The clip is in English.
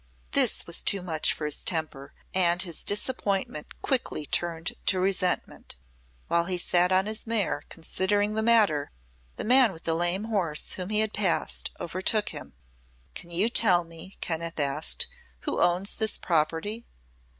This was too much for his temper, and his disappointment quickly turned to resentment. While he sat on his mare, considering the matter, the man with the lame horse, whom he had passed, overtook him. "Can you tell me," Kenneth asked, "who owns this property?"